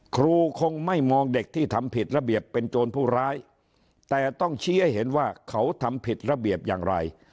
ครูคงไม่มองเด็กที่ทำผิดระเบียบเป็นโจรผู้ร้ายแต่ต้องชี้ให้เห็นว่าเขาทำผิดระเบียบอย่างไร